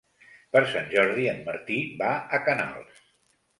Per Sant Jordi en Martí va a Canals.